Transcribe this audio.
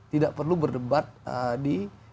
tidak perlu berdebat di